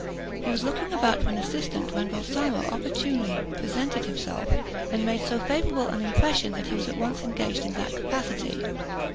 He was looking about for an assistant when Balsamo opportunely presented himself, and made so favourable an impression that he was at once engaged in that capacity.